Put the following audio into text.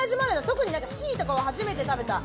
特にＣとかは初めて食べた。